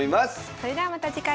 それではまた次回。